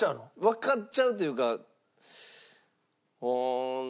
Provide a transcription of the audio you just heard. わかっちゃうというか。